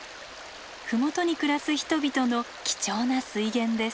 麓に暮らす人々の貴重な水源です。